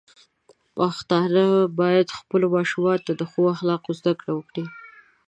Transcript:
پښتانه بايد خپلو ماشومانو ته د ښو اخلاقو زده کړه ورکړي.